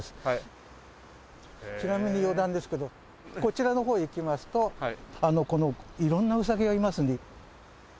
ちなみに余談ですけどこちらの方へ来ますとこの色んなウサギがいます。